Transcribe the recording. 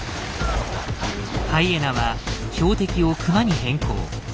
ハイエナは標的をクマに変更。